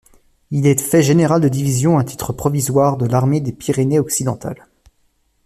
Il est fait général de division à titre provisoire de l'armée des Pyrénées occidentales.